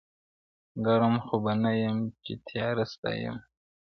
ګرم خو به نه یم چي تیاره ستایمه-